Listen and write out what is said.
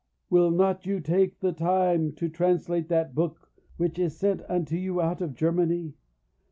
will not you take time to translate that book which is sent unto you out of Germany?